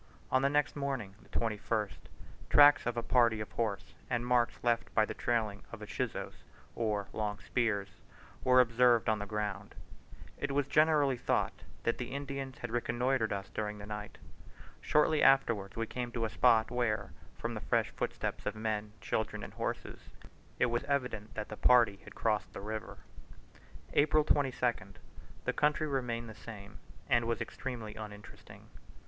On the next morning (21st) tracks of a party of horse and marks left by the trailing of the chuzos, or long spears, were observed on the ground. It was generally thought that the Indians had reconnoitred us during the night. Shortly afterwards we came to a spot where, from the fresh footsteps of men, children, and horses, it was evident that the party had crossed the river. April 22nd. The country remained the same, and was extremely uninteresting.